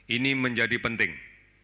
ini menjadi penting